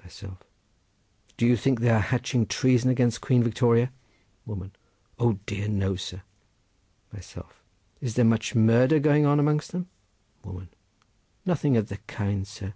Myself.—Do you think they are hatching treason against Queen Victoria? Woman.—O dear no, sir. Myself.—Is there much murder going on amongst them? Woman.—Nothing of the kind, sir.